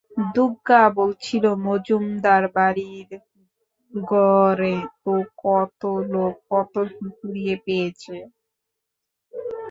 দুগগা বলছিল মজুমদার বাড়ির গড়ে তো কত লোক কত কি কুড়িয়ে পেয়েচে!